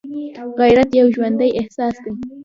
غیرت یو ژوندی احساس دی